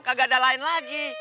kagak ada lain lagi